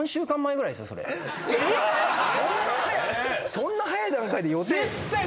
そんな早い段階で予定。